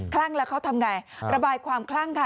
ลั่งแล้วเขาทำไงระบายความคลั่งค่ะ